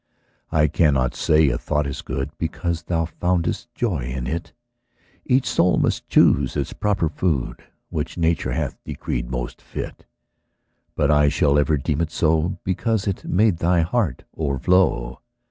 I cannot say a thought is good Because thou foundest joy in it; Each soul must choose its proper food Which Nature hath decreed most fit; But I shall ever deem it so Because it made thy heart o'erflow.